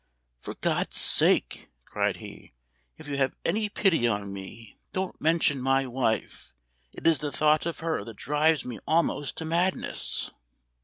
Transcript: "For God's sake!" cried he, "if you have any pity on me don't mention my wife; it is the thought of her that drives me almost to madness!"